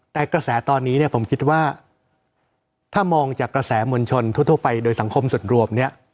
แต่กระแสตอนนี้เนี่ยผมคิดว่าถ้ามองจากกระแสมวลชนทั่วไปโดยสังคมส่วนรวมเนี่ย